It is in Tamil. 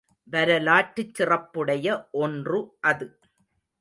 வரலாற்றுச் சிறப்புடைய ஒன்று அது.